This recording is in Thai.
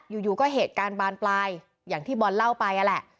อยู่ก็เหตุการณ์บานปลายอย่างที่บอลเล่าไปนั่นแหละ